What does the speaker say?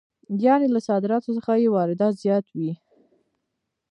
یانې له صادراتو څخه یې واردات زیات وي